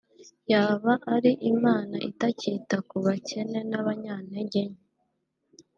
yaba ari Imana itakita ku bakene n’abanyantege nke